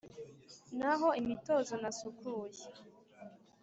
naho imitozo nasukuye